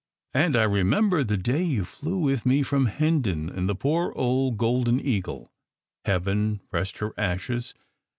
And I remember the day you flew with me from Hendon in the poor old Golden Eagle, heaven rest her ashes!